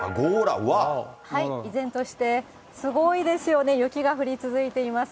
依然として、すごいですよね、雪が降り続いています。